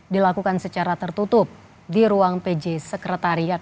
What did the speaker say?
dilakukan secara tertutup di ruang pj sekretariat